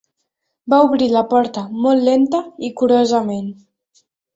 Va obrir la porta molt lenta i curosament.